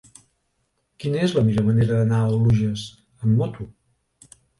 Quina és la millor manera d'anar a les Oluges amb moto?